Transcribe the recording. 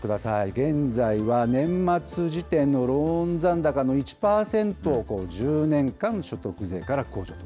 現在は年末時点のローン残高の１％を１０年間所得税から控除と。